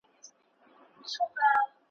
بس دده ګناه همدا وه چي غویی وو `